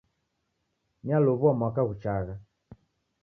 Nialow'ua mwaka ghuchagha